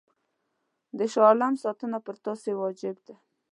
د شاه عالم ساتنه پر تاسي واجب ده.